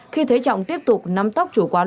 khi thế trọng tiếp tục nắm tóc chủ quán